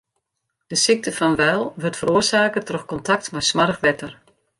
De sykte fan Weil wurdt feroarsake troch kontakt mei smoarch wetter.